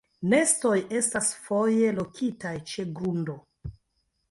Nestoj estas foje lokitaj ĉe grundo.